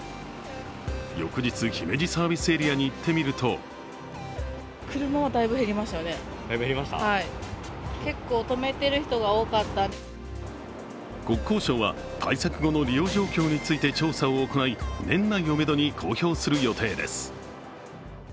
翌日、姫路サービスエリアに行ってみると国交省は対策後の利用状況について調査を行い年内をめどに、公表する予定です。